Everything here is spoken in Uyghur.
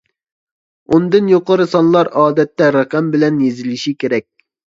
ئوندىن يۇقىرى سانلار ئادەتتە رەقەم بىلەن يېزىلىشى كېرەك.